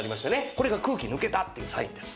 これが空気抜けたっていうサインです。